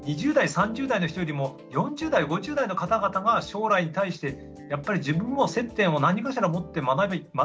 ２０代３０代の人よりも４０代５０代の方々が将来に対してやっぱり自分も接点を何かしら持って学びたい。